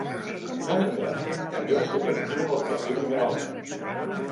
Cunningham també va seguir actiu en el Partit Liberal.